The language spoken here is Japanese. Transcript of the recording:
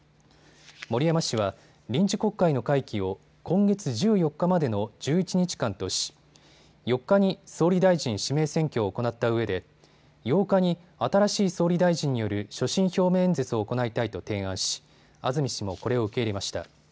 森山氏は臨時国会の会期を今月１４日までの１１日間とし４日に総理大臣指名選挙を行ったうえで８日に新しい総理大臣による所信表明演説を行いたいと提案し安住氏もこれを受け入れました。